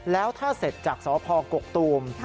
แล้วถ้าเสร็จจากสพกกตูม